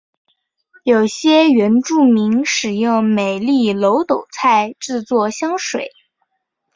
有些原住民使用美丽耧斗菜制作香水。